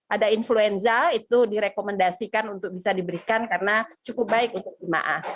ada influenza itu direkomendasikan untuk bisa diberikan karena cukup baik untuk jemaah